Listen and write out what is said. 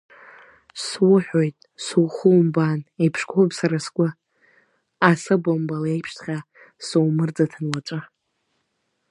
Суҳәоит, сухумбаан, иԥшқоуп сара сгәы, асы бымбыл еиԥшҵәҟьа сумырӡыҭын уаҵәы.